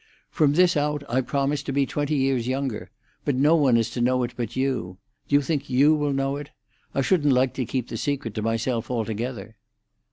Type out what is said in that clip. "From this out I promise to be twenty years younger. But no one is to know it but you. Do you think you will know it? I shouldn't like to keep the secret to myself altogether."